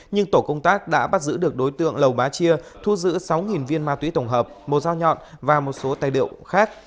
nhưng tổ công tác đã bắt giữ được đối tượng lầu bá chia thu giữ sáu viên ma túy tổng hợp một dao nhọn và một số tài liệu khác